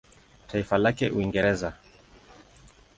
Taifa lake Uingereza.